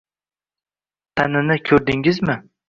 Tanini ko`rdingizmi